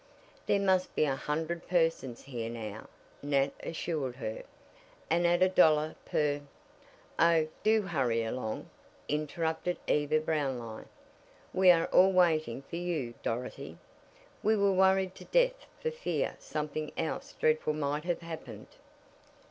"There must be a hundred persons here now," Nat assured her, "and at a dollar per " "Oh, do hurry along," interrupted Eva Brownlie. "We are all waiting for you, Dorothy. We were worried to death for fear something else dreadful might have happened."